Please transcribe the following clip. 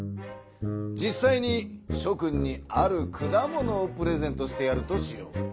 実さいにしょ君にある果物をプレゼントしてやるとしよう。